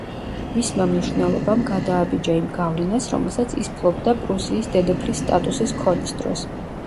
მისმა მნიშვნელობამ, გადააბიჯა იმ გავლენას, რომელსაც ის ფლობდა პრუსიის დედოფლის სტატუსის ქონის დროს.